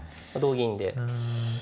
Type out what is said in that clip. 同銀で。